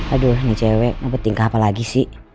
aduh nih cewek mau bertingkah apa lagi sih